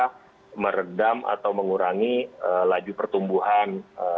bisa meredam atau mengurangi laju pertumbuhan